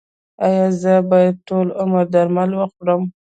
ایا زه باید ټول عمر درمل وخورم؟